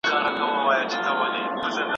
بریا په اصل کې د نه ستړي کېدونکو هڅو نوم دی.